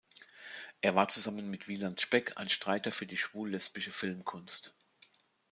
Er war zusammen mit Wieland Speck ein Streiter für die schwul-lesbische Filmkunst.